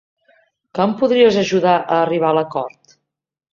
Que em podries ajudar a arribar a l'acord?